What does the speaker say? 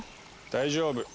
大丈夫。